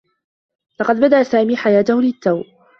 لقد بدأ سامي حياته للتّو.